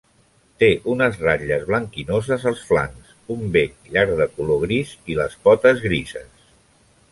Té unes ratlles blanquinoses als flancs, un bec llarg de color gris i les potes grises.